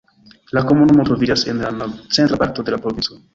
La komunumo troviĝas en la nord-centra parto de la provinco.